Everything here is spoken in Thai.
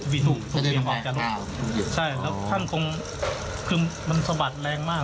บีดถูกถูกเบียงออกกันอ่าใช่แล้วท่านคงคือมันสะบัดแรงมาก